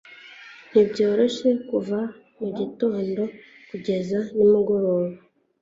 Ntibyoroshye kuva mugitondo kugeza nimugoroba